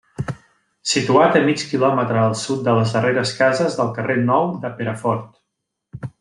Situat a mig kilòmetre al sud de les darreres cases del carrer Nou de Perafort.